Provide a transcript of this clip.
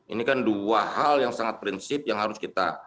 ini kan dua hal yang sangat prinsip yang harus kita